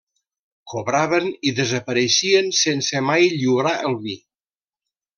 Cobraven i desapareixien sense mai lliurar el vi.